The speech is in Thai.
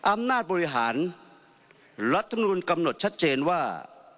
อำนาจบริหารรัฐมนุนกำหนดชัดเจนว่า